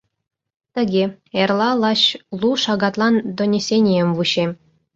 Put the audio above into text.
— Тыге, эрла лач лу шагатлан донесенийым вучем!